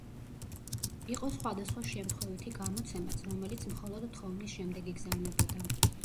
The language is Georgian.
იყო სხვადასხვა შემთხვევითი გამოცემაც, რომელიც მხოლოდ თხოვნის შემდეგ იგზავნებოდა.